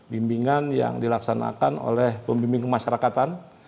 bimbingan yang dilaksanakan oleh pembimbingan masyarakatan